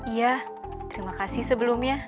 iya terima kasih sebelumnya